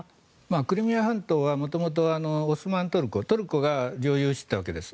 クリミア半島は元々、オスマントルコトルコが領有していたわけです。